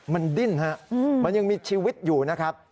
มันดิ้นฮะมันยังมีชีวิตอยู่นะครับ